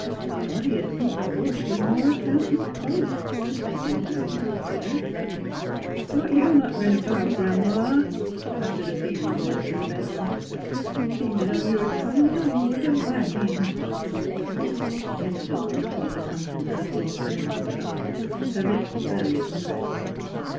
... A body 'd think a bush was more account 'an folks — ef they didn 't know no better." " What you mutterin' about, Gran 'ma? " pro pounded a feeble voice from the bedroom. 355 356 THE HEART OF PHILURA *' Seems 's 'o' your tongue was always a wag gin'." Mrs. Orne poured the contents of a saucepan into a cup, her lips firmly compressed.